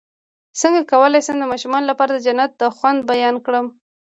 څنګه کولی شم د ماشومانو لپاره د جنت د خوند بیان کړم